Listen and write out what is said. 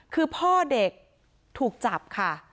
คือพ่อเด็กถูกจับค่ะ